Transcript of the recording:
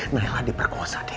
nailah diperkosa dek